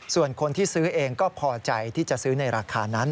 ส่วนคนที่ซื้อเองก็พอใจที่จะซื้อในราคานั้น